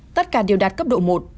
tất cả đều đạt cấp độ một